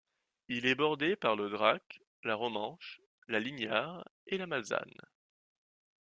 Il est bordé par le Drac, la Romanche, la Lignarre et la Malsanne.